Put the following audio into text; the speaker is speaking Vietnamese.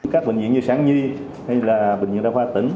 các bệnh viện như sáng nhi hay là bệnh viện đà khoa tỉnh